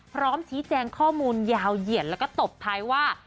พร้อมชี้แจงข้อมูลยาวเหยียดแล้วก็ตบท้ายว่า